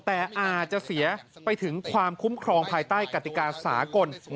แต่อาจจะเสียไปถึงความคุ้มครองภายใต้กติกาสากล